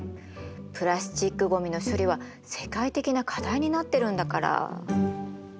プラスチックごみの処理は世界的な課題になってるんだから。